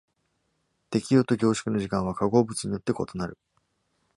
適用と凝縮の時間は化合物によって異なる。